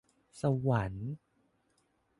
สวรรค์